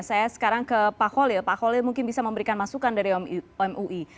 saya sekarang ke pak holil pak kholil mungkin bisa memberikan masukan dari mui